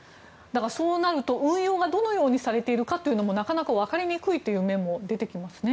そうなると運用がどのようにされているのかなかなか分かりにくい面も出てきますね。